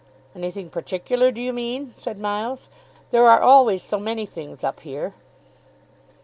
"Anything particular do you mean?" said Miles. "There are always so many things up here."